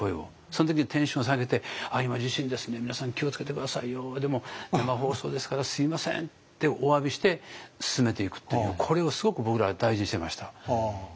その時にテンション下げて「あっ今地震ですね皆さん気をつけて下さいよでも生放送ですからすみません」っておわびして進めていくというこれをすごく僕らは大事にしてました。